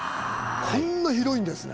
こんな広いんですね。